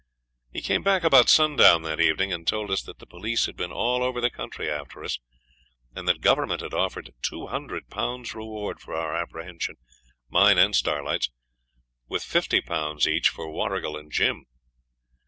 He came back about sundown that evening, and told us that the police had been all over the country after us, and that Government had offered 200 Pounds reward for our apprehension mine and Starlight's with 50 Pounds each for Warrigal and Jim.